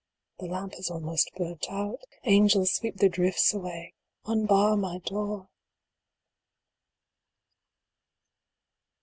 The lamp is almost burnt out. Angels, sweep the drifts away unbar my door